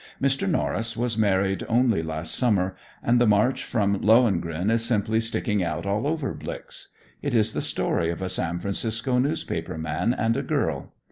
Mr. Norris was married only last summer, and the march from "Lohengrin" is simply sticking out all over "Blix." It is the story of a San Francisco newspaper man and a girl.